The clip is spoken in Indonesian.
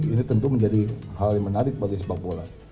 ini tentu menjadi hal yang menarik bagi sepak bola